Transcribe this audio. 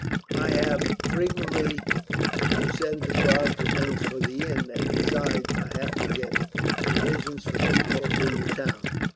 "I have frequently to send to Prague for things for the inn; and besides, I have to get provisions for people in the town.